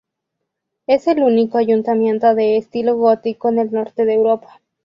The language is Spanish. Es el único ayuntamiento de estilo gótico en el norte de Europa.